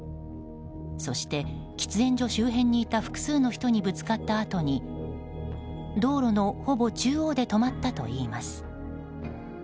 そして、喫煙所周辺にいた複数の人にぶつかったあとに道路のほぼ中央で止まったといいます。